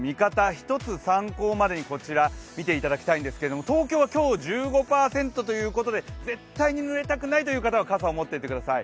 １つ参考までにこちら、見ていただきたいんですけど、東京は今日１５％ということで絶対にぬれたくないという方は傘を持っていってください。